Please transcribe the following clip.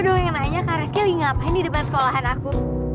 udah nanya nanya kareng ngapain di depan sekolahan aku